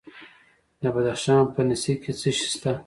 د بدخشان په نسي کې څه شی شته؟